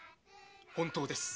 本当です。